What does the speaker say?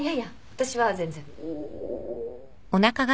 私は全然。